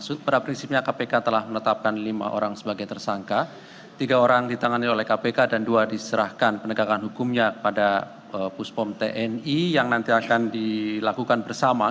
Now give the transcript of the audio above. saya ingin menerima uang dari puspo tni yang akan dilakukan bersama